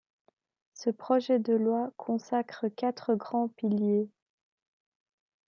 Ce projet de loi consacre quatre grands piliers.